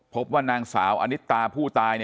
พบว่านางสาวอนิตาผู้ตาย